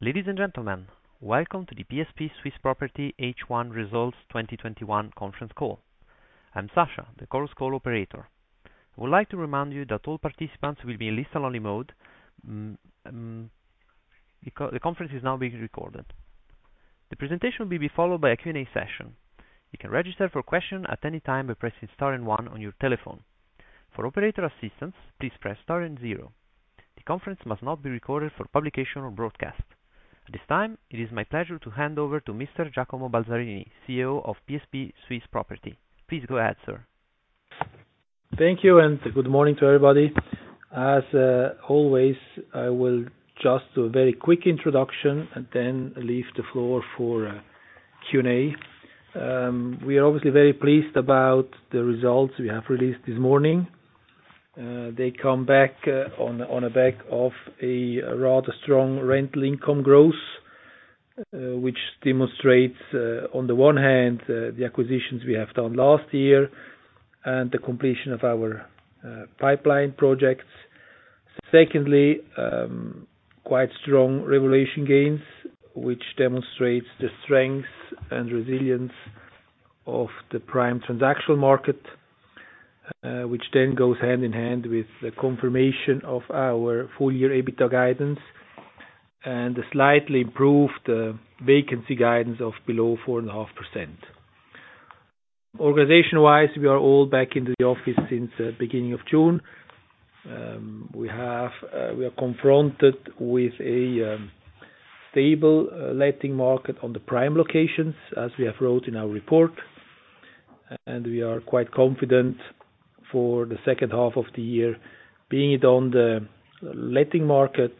Ladies and gentlemen, welcome to the PSP Swiss Property H1 Results 2021 conference call. I'm Sasha, the Chorus Call operator. I would like to remind you that all participants will be in listen-only mode. The conference is now being recorded. The presentation will be followed by a Q&A session. You can register for questions at any time by pressing star and one on your telephone. For operator assistance, please press star and zero. The conference must not be recorded for publication or broadcast. At this time, it is my pleasure to hand over to Mr. Giacomo Balzarini, CEO of PSP Swiss Property. Please go ahead, sir. Thank you, good morning to everybody. As always, I will just do a very quick introduction and then leave the floor for Q&A. We are obviously very pleased about the results we have released this morning. They come on the back of a rather strong rental income growth, which demonstrates on the one hand, the acquisitions we have done last year and the completion of our pipeline projects. Secondly, quite strong revaluation gains, which demonstrates the strength and resilience of the prime transactional market, which then goes hand in hand with the confirmation of our full-year EBITDA guidance and a slightly improved vacancy guidance of below 4.5%. Organization-wise, we are all back into the office since the beginning of June. We are confronted with a stable letting market on the prime locations, as we have wrote in our report, and we are quite confident for the second half of the year being it on the letting market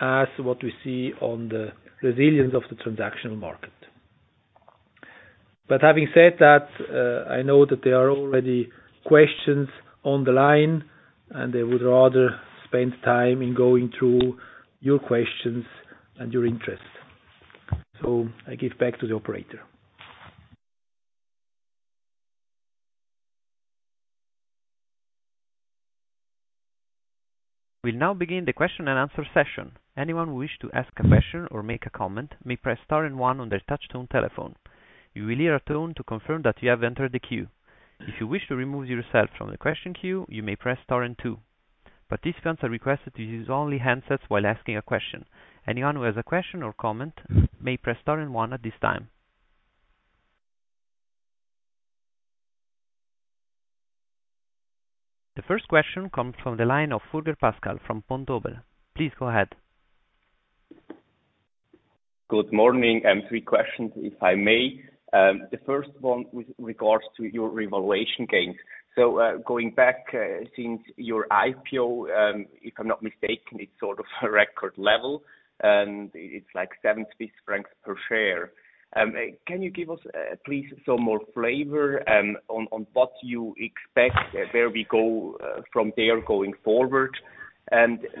as what we see on the resilience of the transactional market. Having said that, I know that there are already questions on the line, and I would rather spend time in going through your questions and your interests. I give back to the operator. We'll now begin the question and answer session. Anyone who wish to ask a question or make a comment, may press star and one on their touchtone telephone. You will hear a tone to confirm that you have entered the queue. If you wish to remove yourself from the question queue, you may press star and two. Participants are requested to use only handsets while asking a question. Anyone who has a question or comment may press star and one at this time. The first question comes from the line of Pascal Furger from Vontobel. Please go ahead. Good morning. three questions, if I may. The first one with regards to your revaluation gains. Going back, since your IPO, if I'm not mistaken, it's sort of a record level, and it's like 7 Swiss francs per share. Can you give us please some more flavor on what you expect, where we go from there going forward?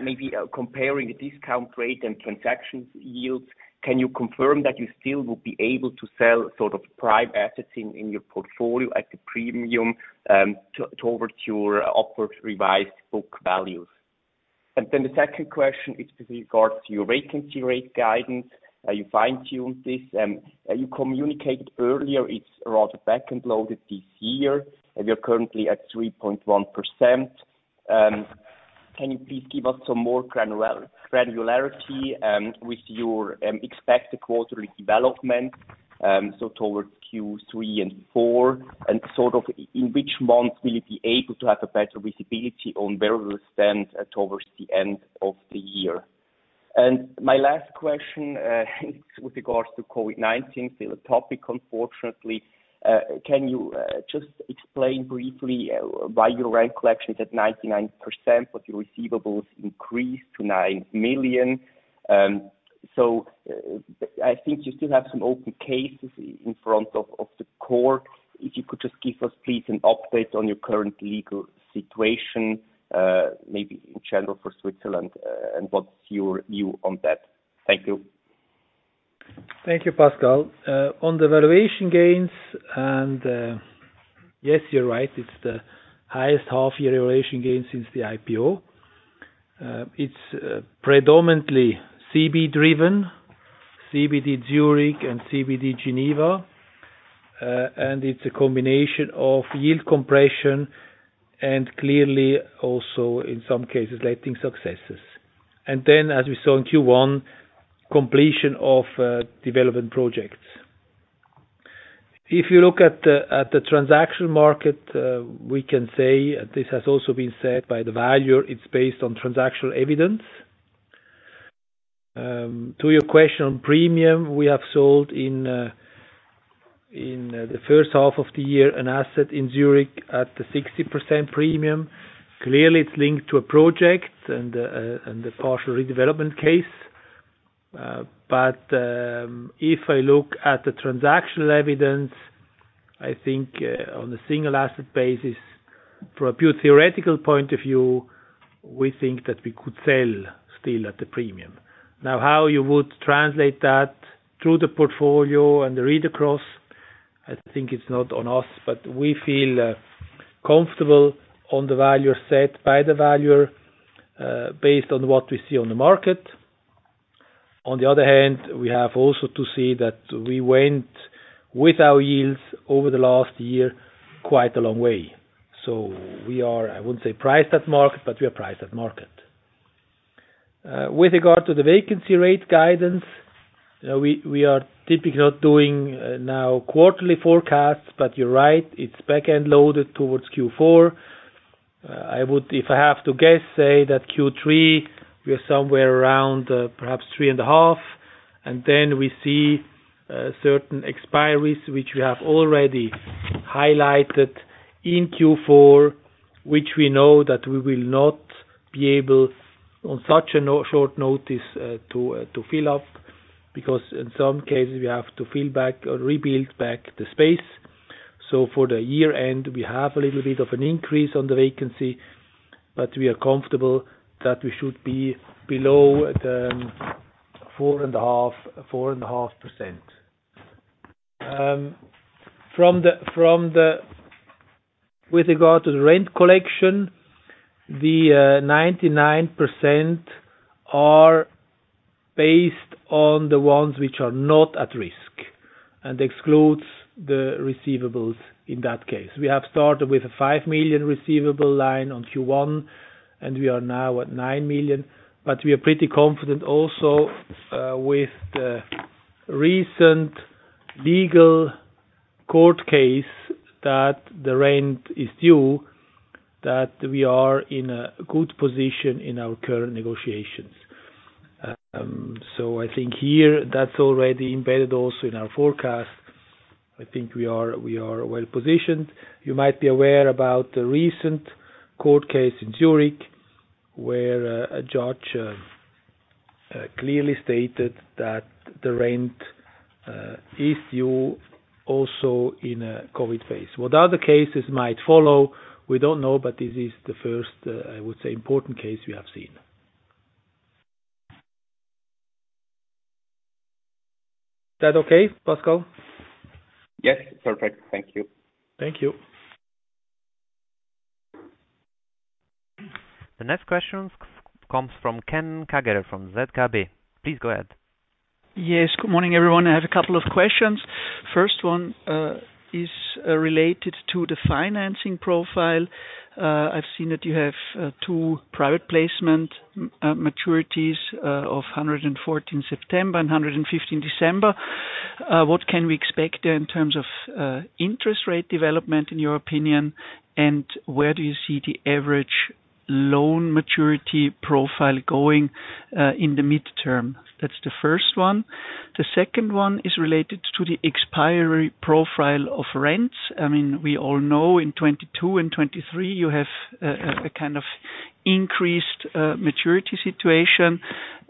Maybe comparing the discount rate and transactions yields, can you confirm that you still will be able to sell sort of prime assets in your portfolio at the premium, towards your upward revised book values? The 2nd question is with regards to your vacancy rate guidance. You fine-tuned this, and you communicated earlier it's rather back-end loaded this year, and we are currently at 3.1%. Can you please give us some more granularity with your expected quarterly development, so towards Q3 and Q4, and sort of in which months will you be able to have a better visibility on where we stand towards the end of the year? My last question is with regards to COVID-19. Still a topic, unfortunately. Can you just explain briefly why your rent collection is at 99%, but your receivables increased to 9 million? I think you still have some open cases in front of the court. If you could just give us please an update on your current legal situation, maybe in general for Switzerland. What's your view on that? Thank you. Thank you, Pascal. On the valuation gains, yes, you're right, it's the highest half-year valuation gain since the IPO. It's predominantly CBD-driven, CBD Zurich and CBD Geneva. It's a combination of yield compression and clearly also in some cases, letting successes. As we saw in Q1, completion of development projects. If you look at the transaction market, we can say this has also been said by the valuer, it's based on transactional evidence. To your question on premium, we have sold in the first half of the year an asset in Zurich at the 60% premium. Clearly, it's linked to a project and a partial redevelopment case. If I look at the transactional evidence, I think on the single asset basis, from a pure theoretical point of view, we think that we could sell still at the premium. Now, how you would translate that through the portfolio and the read across. I think it's not on us, but we feel comfortable on the value set by the valuer based on what we see on the market. On the other hand, we have also to see that we went with our yields over the last year quite a long way. We are, I wouldn't say priced at market, but we are priced at market. With regard to the vacancy rate guidance, we are typically not doing now quarterly forecasts, but you're right, it's back-end loaded towards Q4. If I have to guess, say that Q3, we are somewhere around perhaps 3.5%, and then we see certain expiries, which we have already highlighted in Q4, which we know that we will not be able on such a short notice to fill up, because in some cases we have to fill back or rebuild back the space. For the year-end, we have a little bit of an increase on the vacancy, but we are comfortable that we should be below at 4.5%. With regard to the rent collection, the 99% are based on the ones which are not at risk and excludes the receivables in that case. We have started with a 5 million receivable line on Q1, and we are now at 9 million, but we are pretty confident also with the recent legal court case that the rent is due, that we are in a good position in our current negotiations. I think here that's already embedded also in our forecast. I think we are well-positioned. You might be aware about the recent court case in Zurich, where a judge clearly stated that the rent is due also in a COVID phase. What other cases might follow, we don't know, but this is the first, I would say, important case we have seen. Is that okay, Pascal? Yes, perfect. Thank you. Thank you. The next question comes from Ken Kagerer from ZKB. Please go ahead. Yes. Good morning, everyone. I have a couple of questions. First one is related to the financing profile. I've seen that you have two private placement maturities of 114 September and 115 December. What can we expect there in terms of interest rate development, in your opinion, and where do you see the average loan maturity profile going in the midterm? That's the first one. The second one is related to the expiry profile of rents. I mean, we all know in 2022 and 2023 you have a kind of increased maturity situation.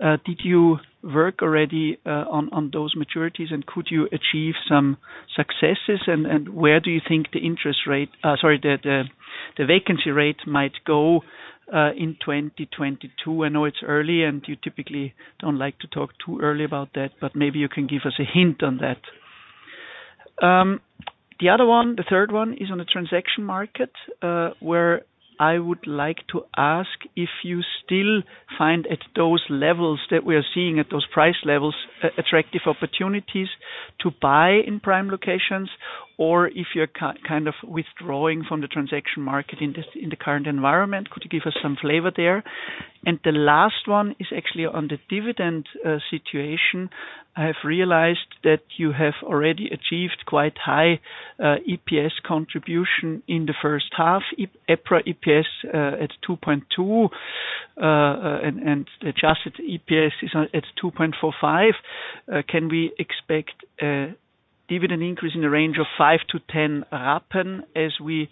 Did you work already on those maturities, and could you achieve some successes? Where do you think the vacancy rate might go in 2022? I know it's early, and you typically don't like to talk too early about that, but maybe you can give us a hint on that. The other one, the third one, is on the transaction market, where I would like to ask if you still find at those levels that we are seeing at those price levels attractive opportunities to buy in prime locations, or if you're withdrawing from the transaction market in the current environment. Could you give us some flavor there? The last one is actually on the dividend situation. I have realized that you have already achieved quite high EPS contribution in the first half. EPRA EPS at 2.2, and adjusted EPS is at 2.45. Can we expect a dividend increase in the range of 0.05-0.10 as we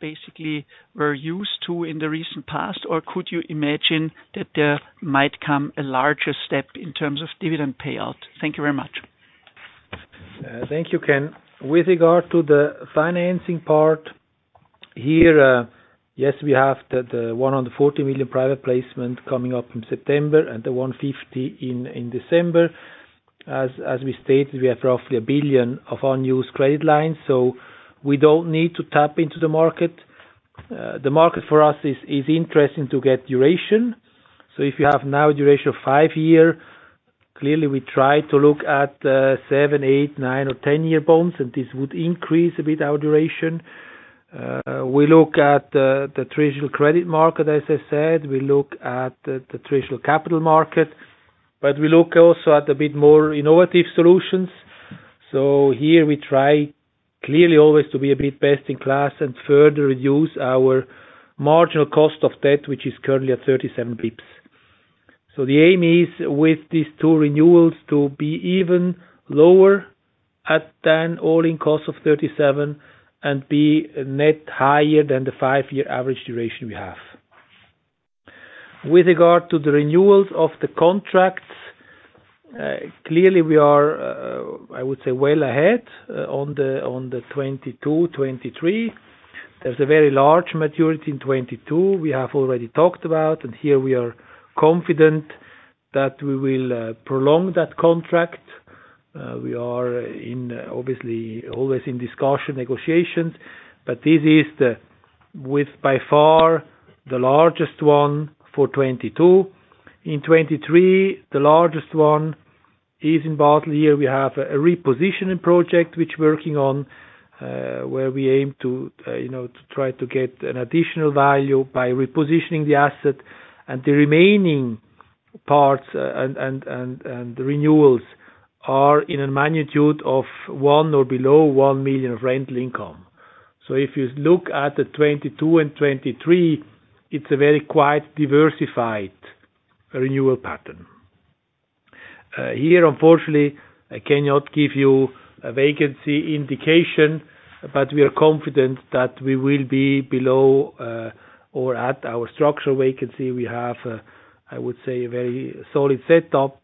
basically were used to in the recent past, or could you imagine that there might come a larger step in terms of dividend payout? Thank you very much. Thank you, Ken. With regard to the financing part here, yes, we have the 140 million private placement coming up in September and the 150 in December. As we stated, we have roughly 1 billion of unused credit lines, we don't need to tap into the market. The market for us is interesting to get duration. If you have now a duration of five-year, clearly we try to look at 7, 8, 9, or 10-year bonds, and this would increase a bit our duration. We look at the traditional credit market, as I said. We look at the traditional capital market. We look also at a bit more innovative solutions. Here we try clearly always to be a bit best in class and further reduce our marginal cost of debt, which is currently at 37 basis points. The aim is with these two renewals to be even lower at an all-in cost of 37 and be net higher than the five-year average duration we have. With regard to the renewals of the contracts, clearly we are, I would say, well ahead on the 2022, 2023. There's a very large maturity in 2022 we have already talked about. Here we are confident that we will prolong that contract. We are obviously always in discussion negotiations, but this is by far the largest one for 2022. In 2023, the largest one is in Basel. Here we have a repositioning project which we're working on, where we aim to try to get an additional value by repositioning the asset, and the remaining parts, and the renewals are in a magnitude of 1 or below 1 million of rental income. If you look at the 2022 and 2023, it's a very quite diversified renewal pattern. Here, unfortunately, I cannot give you a vacancy indication, but we are confident that we will be below or at our structural vacancy. We have, I would say, a very solid setup,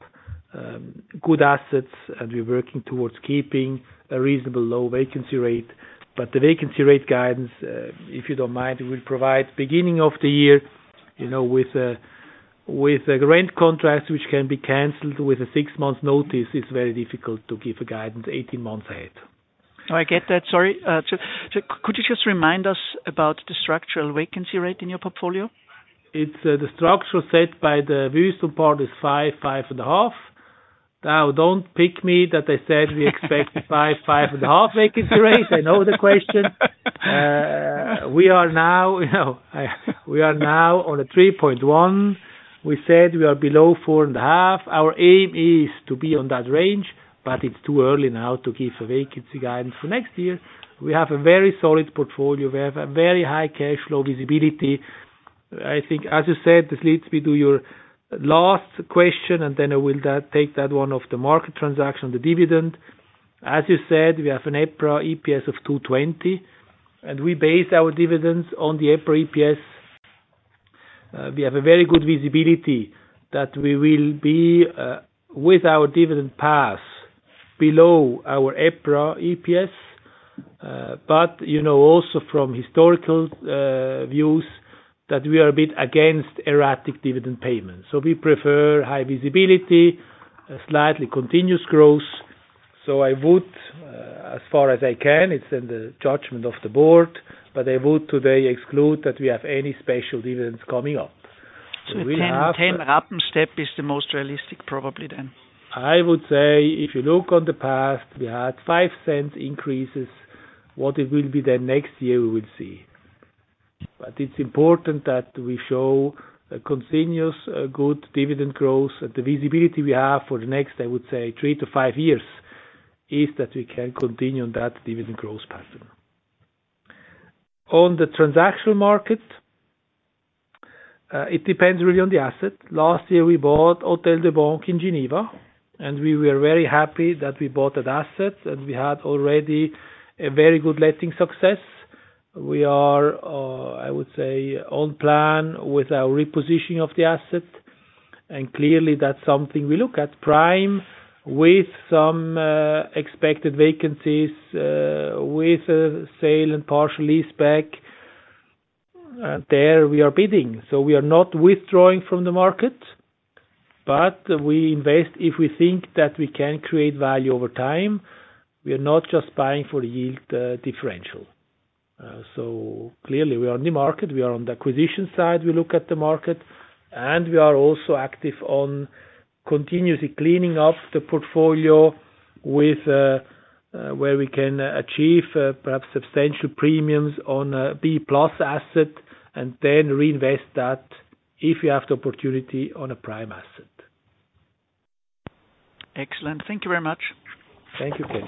good assets, and we're working towards keeping a reasonable low vacancy rate. The vacancy rate guidance, if you don't mind, we'll provide beginning of the year. With a rent contract which can be canceled with a six-month notice, it's very difficult to give a guidance 18 months ahead. I get that. Sorry. Could you just remind us about the structural vacancy rate in your portfolio? It's the structure set by the Wüest Partner is 5%-5.5%. Don't pick me that I said we expect 5%-5.5% vacancy rates. I know the question. We are now on a 3.1%. We said we are below 4.5%. Our aim is to be on that range, but it's too early now to give a vacancy guidance for next year. We have a very solid portfolio. We have a very high cash flow visibility. I think, as you said, this leads me to your last question, and then I will take that one of the market transaction, the dividend. As you said, we have an EPRA EPS of 2.20, and we base our dividends on the EPRA EPS. We have a very good visibility that we will be with our dividend path below our EPRA EPS. You know also from historical views that we are a bit against erratic dividend payments. We prefer high visibility, slightly continuous growth. I would, as far as I can, it's in the judgment of the board, but I would today exclude that we have any special dividends coming up. 0.10 step is the most realistic probably then. I would say if you look on the past, we had 0.05 increases. What it will be then next year, we will see. It's important that we show a continuous good dividend growth. The visibility we have for the next, I would say three to five years, is that we can continue on that dividend growth pattern. On the transaction market, it depends really on the asset. Last year, we bought Hôtel de Banque in Geneva, and we were very happy that we bought that asset, and we had already a very good letting success. We are, I would say, on plan with our repositioning of the asset, and clearly that's something we look at. Prime with some expected vacancies, with a sale and partial leaseback. There we are bidding. We are not withdrawing from the market, but we invest if we think that we can create value over time. We are not just buying for the yield differential. Clearly we are on the market, we are on the acquisition side, we look at the market, and we are also active on continuously cleaning up the portfolio where we can achieve perhaps substantial premiums on a B+ asset and then reinvest that if we have the opportunity on a prime asset. Excellent. Thank you very much. Thank you, Ken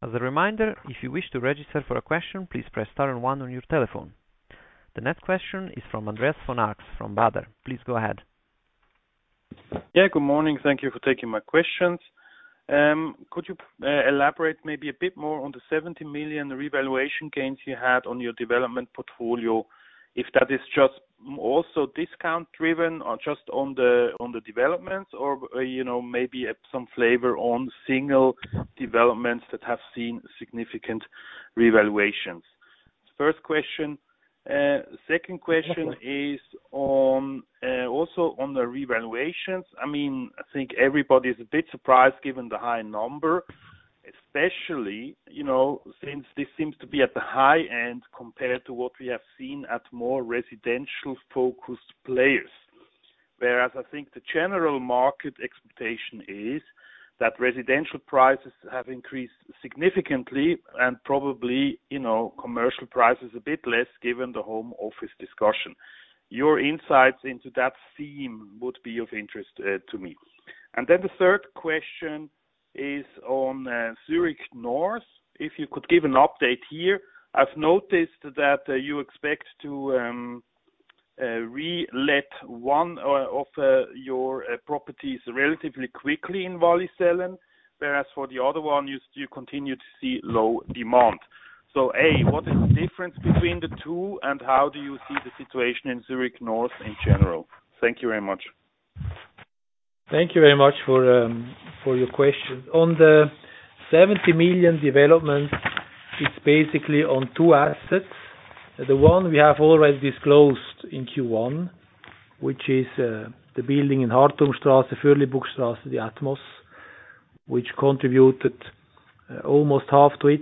Kagerer. As a reminder, if you wish to register for a question, please press star and one on your telephone. The next question is from Andreas von Arx from Baader. Please go ahead. Good morning. Thank you for taking my questions. Could you elaborate maybe a bit more on the 70 million revaluation gains you had on your development portfolio? If that is just also discount driven or just on the developments or maybe some flavor on single developments that have seen significant revaluations? First question. Second question is also on the revaluations. I think everybody is a bit surprised given the high number, especially since this seems to be at the high end compared to what we have seen at more residential-focused players. I think the general market expectation is that residential prices have increased significantly and probably commercial prices a bit less given the home office discussion. Your insights into that theme would be of interest to me. The third question is on Zurich North. If you could give an update here. I've noticed that you expect to re-let one of your properties relatively quickly in Wollishofen, whereas for the other one, you continue to see low demand. A, what is the difference between the two and how do you see the situation in Zurich North in general? Thank you very much. Thank you very much for your question. On the 70 million development, it's basically on two assets. The one we have already disclosed in Q1, which is the building in Hardturmstrasse, Förrlibuckstrasse, the Atmos, which contributed almost half to it.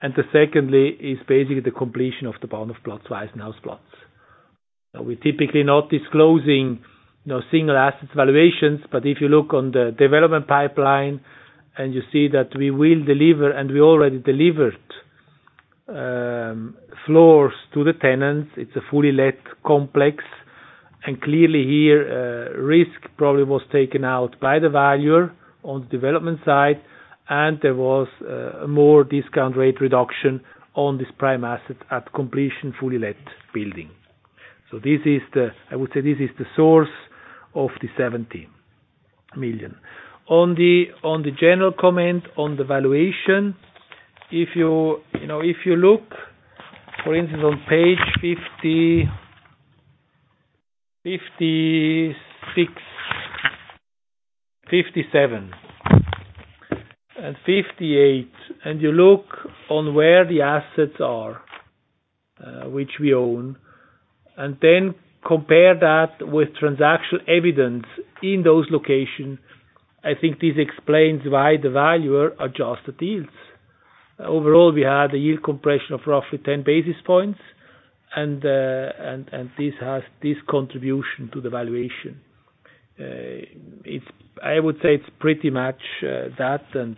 The secondly is basically the completion of the Bahnhofplatz/Waisenhausplatz. We're typically not disclosing single assets valuations, but if you look on the development pipeline and you see that we will deliver, and we already delivered, floors to the tenants. It's a fully let complex, and clearly here, risk probably was taken out by the valuer on the development side, and there was more discount rate reduction on this prime asset at completion, fully let building. I would say this is the source of the 17 million. On the general comment on the valuation, if you look, for instance, on page 56, 57, and 58, and you look on where the assets are, which we own, and then compare that with transaction evidence in those locations, I think this explains why the valuer adjusted yields. Overall, we had a yield compression of roughly 10 basis points, and this has this contribution to the valuation. I would say it's pretty much that, and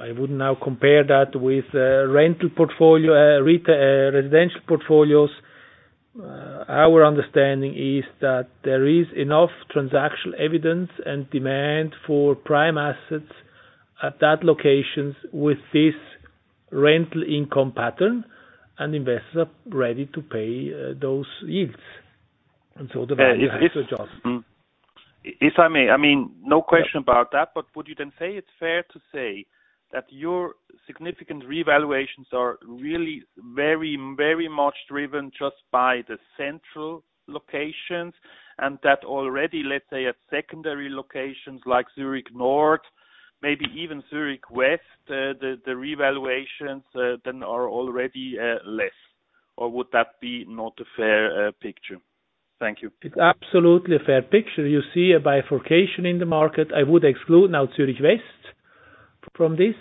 I would now compare that with residential portfolios. Our understanding is that there is enough transactional evidence and demand for prime assets at that locations with this rental income pattern, and investors are ready to pay those yields. The valuer has to adjust. If I may. No question about that, would you then say it's fair to say that your significant revaluations are really very much driven just by the central locations, and that already, let's say, at secondary locations like Zurich North, maybe even Zurich West, the revaluations then are already less, or would that be not a fair picture? Thank you. It's absolutely a fair picture. You see a bifurcation in the market. I would exclude now Zurich West from this,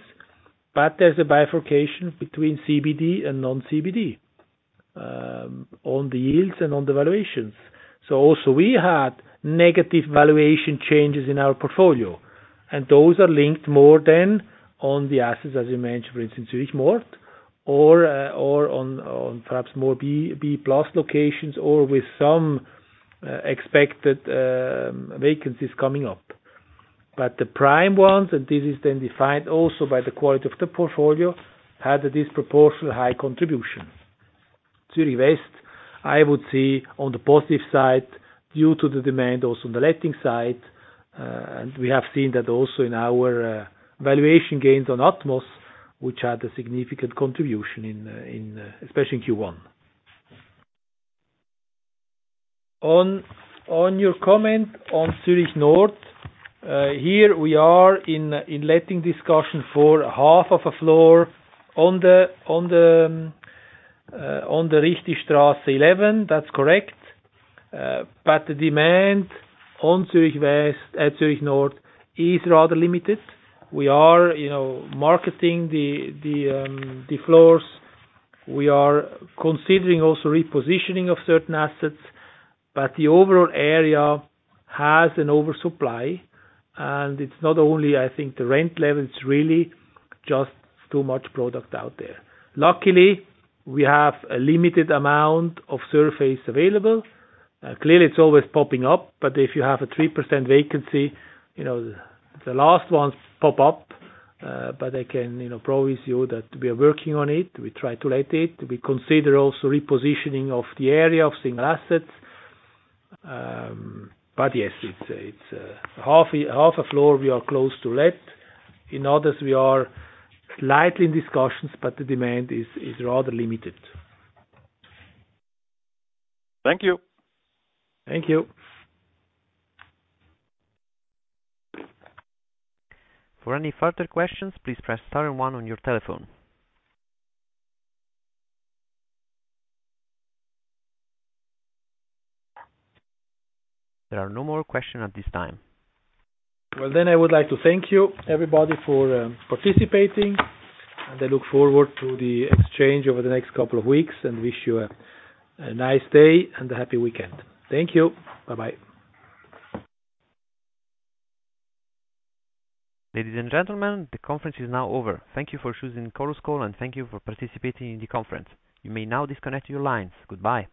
but there's a bifurcation between CBD and non-CBD, on the yields and on the valuations. Also we had negative valuation changes in our portfolio, and those are linked more than on the assets, as you mentioned, for instance, Zurich North or on perhaps more B+ locations or with some expected vacancies coming up. The prime ones, and this is then defined also by the quality of the portfolio, had a disproportional high contribution. Zurich West, I would see on the positive side due to the demand also on the letting side. We have seen that also in our valuation gains on Atmos, which had a significant contribution especially in Q1. On your comment on Zurich North. Here we are in letting discussion for half of a floor on the Richtistrasse 11. That's correct. The demand on Zurich North is rather limited. We are marketing the floors. We are considering also repositioning of certain assets, but the overall area has an oversupply, and it's not only, I think, the rent level, it's really just too much product out there. Luckily, we have a limited amount of surface available. Clearly, it's always popping up, but if you have a 3% vacancy, the last ones pop up, but I can promise you that we are working on it. We try to let it. We consider also repositioning of the area of single assets. Yes, it's half a floor we are close to let. In others, we are slightly in discussions, but the demand is rather limited. Thank you. Thank you. For any further questions, please press star and one on your telephone. There are no more questions at this time. I would like to thank you, everybody, for participating, and I look forward to the exchange over the next couple of weeks and wish you a nice day and a happy weekend. Thank you. Bye-bye. Ladies and gentlemen, the conference is now over. Thank you for choosing Chorus Call, and thank you for participating in the conference. You may now disconnect your lines. Goodbye.